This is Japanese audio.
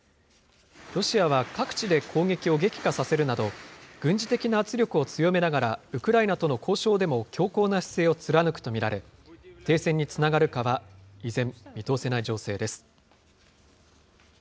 ロシアは各地で攻撃を激化させるなど、軍事的な圧力を強めながら、ウクライナとの交渉でも強硬な姿勢を貫くと見られ、停戦につながるかは依然、見通せない情勢です。